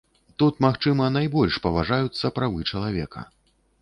Тут, магчыма, найбольш паважаюцца правы чалавека.